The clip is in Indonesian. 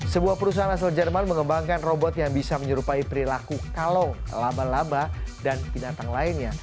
sebuah perusahaan asal jerman mengembangkan robot yang bisa menyerupai perilaku kalong laba laba dan binatang lainnya